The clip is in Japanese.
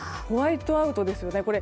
ホワイトアウトですよね。